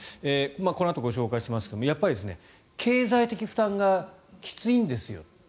このあとご紹介しますが経済的負担がきついんですよと。